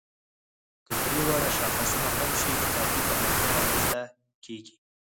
که درې واړه شاخصونه کم شي، اقتصادي پرمختیا رامنځ ته کیږي.